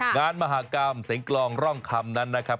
มหากรรมเสียงกลองร่องคำนั้นนะครับ